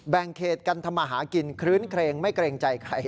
แบงเกจกันธมาฮากินคื้นเครงไม่เกรงใจใคร